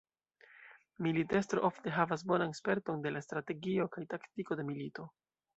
Militestro ofte havas bonan sperton de la strategio kaj taktiko de milito.